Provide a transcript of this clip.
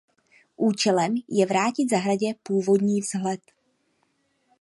Účelem je vrátit zahradě původní vzhled.